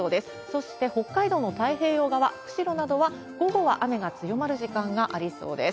そして北海道の太平洋側、釧路などは、午後は雨が強まる時間がありそうです。